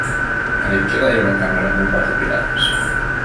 A la izquierda hay una cámara con cuatro pilares.